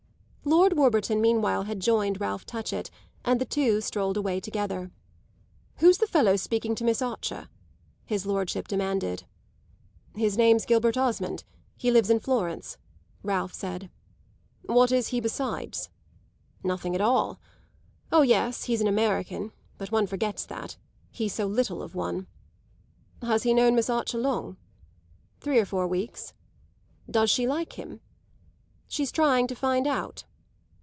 Lord Warburton meanwhile had joined Ralph Touchett, and the two strolled away together. "Who's the fellow speaking to Miss Archer?" his lordship demanded. "His name's Gilbert Osmond he lives in Florence," Ralph said. "What is he besides?" "Nothing at all. Oh yes, he's an American; but one forgets that he's so little of one." "Has he known Miss Archer long?" "Three or four weeks." "Does she like him?" "She's trying to find out."